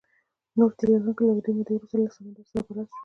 نور تي لرونکي له اوږدې مودې وروسته له سمندر سره بلد شول.